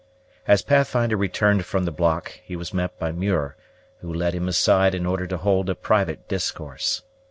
As Pathfinder returned from the block, he was met by Muir, who led him aside in order to hold a private discourse.